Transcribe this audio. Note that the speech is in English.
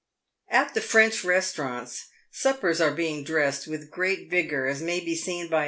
At the French restaurants, suppers are being dressed with great vigour, as may be seen by.